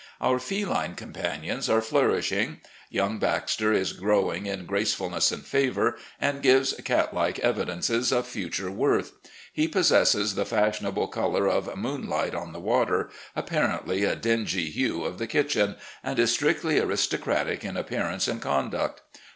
Our feline companions are flourishing. Young Baxter is growing in gracefulness and favour, and gives cat like evidences of future worth. He possesses the fashionable colour of 'moonlight on the water,' apparently a dingy hue of the kitchen, and is strictly aristocratic in appear ance and conduct.